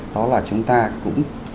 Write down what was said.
đó là chúng ta cũng